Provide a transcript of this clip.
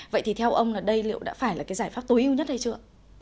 vậy thì theo ông là đây liệu đã phải là cái giải pháp tối ưu nhất hay chưa